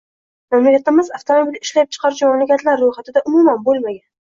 Mamlakatimiz avtomobil ishlab chiqaruvchi mamlakatlar roʻyxatida umuman boʻlmagan.